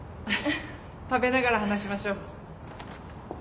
食べながら話しましょう。